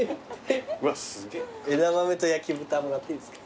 枝豆と焼豚もらっていいですか。